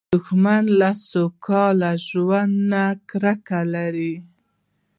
دښمن له سوکاله ژوند نه کرکه لري